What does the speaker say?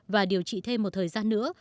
và điều trị thêm một thời gian nữa